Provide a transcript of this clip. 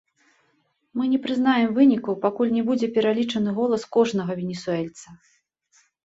Мы не прызнаем вынікаў, пакуль не будзе пералічаны голас кожнага венесуэльца!